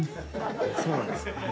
そうなんですね。